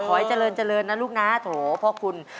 ขอให้เจริญนะลูกนะโถ่ขอบคุณ